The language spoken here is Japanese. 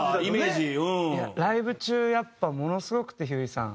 ライブ中やっぱものすごくてひゅーいさん。